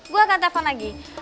gua akan telfon lagi